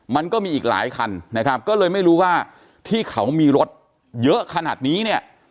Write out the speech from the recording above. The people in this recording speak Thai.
มันก็มีอีกหลายคันนะครับก็เลยไม่รู้ว่าที่เขามีรถเยอะขนาดนี้เนี่ย